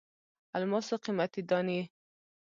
الماسو قیمتي دانې.